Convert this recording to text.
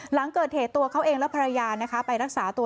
หลังเกิดเหตุตัวเขาเองและภรรยานะคะไปรักษาตัว